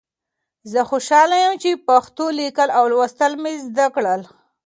زه خوشحاله یم چې پښتو لیکل او لوستل مې زده کړل.